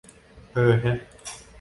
เออแฮะ